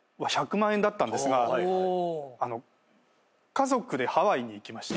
家族でハワイに行きました。